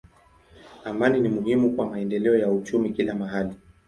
Amani ni muhimu kwa maendeleo ya uchumi kila mahali.